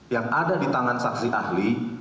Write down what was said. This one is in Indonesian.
yang ada di tangan saksi ahli